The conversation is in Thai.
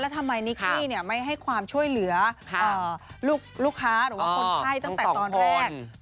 ทำไมนิกกี้ไม่ให้ความช่วยเหลือลูกค้าหรือว่าคนไข้ตั้งแต่ตอนแรก